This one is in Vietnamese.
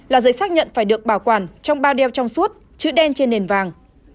là giấy xác nhận phải được bảo quản trong ba đeo trong suốt chữ đen trên nền vàng